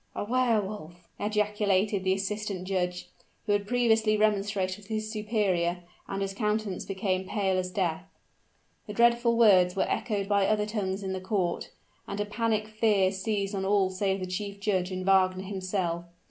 "A Wehr Wolf!" ejaculated the assistant judge, who had previously remonstrated with his superior; and his countenance became pale as death. The dreadful words were echoed by other tongues in the court; and a panic fear seized on all save the chief judge and Wagner himself.